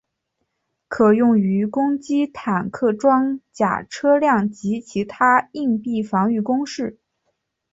可用于攻击坦克装甲车辆及其它硬壁防御工事。